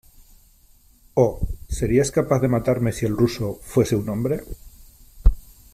¡ oh !...¿ serías capaz de matarme si el ruso fuese un hombre ?